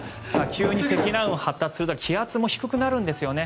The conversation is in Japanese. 急に積乱雲が発達すると気圧が低くなるんですね。